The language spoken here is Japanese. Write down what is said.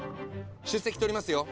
出席取りますよ。